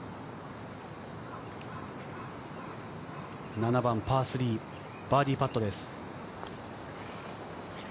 ７番、パー３、バーディーパットです。